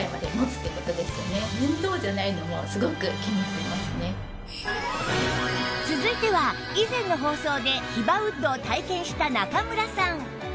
さらに続いては以前の放送でヒバウッドを体験した中村さん